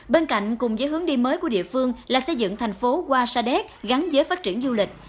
bên cạnh cùng với hướng đi mới của địa phương là xây dựng thành phố hoa sa đéc gắn với phát triển du lịch